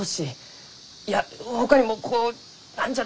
いやほかにもこう何じゃ？